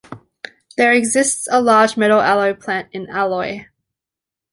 There exists a large metal alloy plant in Alloy.